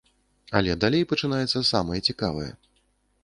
Але далей пачынаецца самае цікавае.